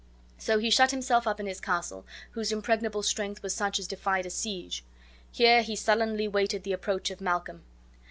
So he shut himself up in his castle, whose impregnable strength was such as defied a siege. Here he sullenly waited the approach of Malcolm.